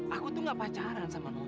aku tuh gak pacaran sama nu